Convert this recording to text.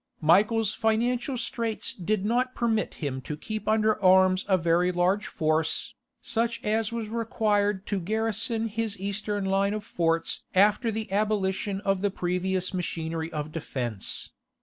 Michael's financial straits did not permit him to keep under arms a very large force, such as was required to garrison his eastern line of forts after the abolition of the previous machinery of defence.